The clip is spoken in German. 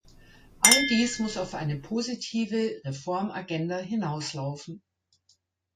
All dies muss auf eine positive Reformagenda hinauslaufen.